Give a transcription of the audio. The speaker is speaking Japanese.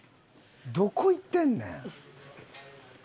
どこ行ってんねん？